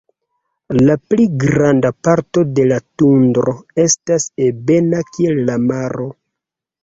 La pli granda parto de la tundro estas ebena kiel la maro.